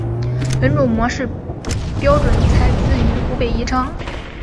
本种模式标本采自于湖北宜昌。